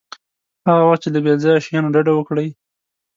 هغه وخت چې له بې ځایه شیانو ډډه وکړئ.